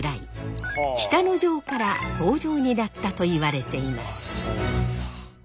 北の条から「北条」になったといわれています。